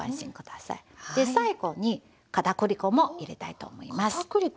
で最後に片栗粉も入れたいと思います。